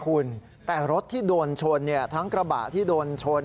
คุณแต่รถที่โดนชนทั้งกระบะที่โดนชน